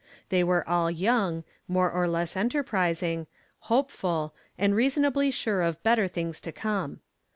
They were all young, more or less enterprising, hopeful, and reasonably sure of better things to come.